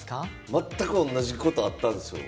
全く同じことがあったんですよ。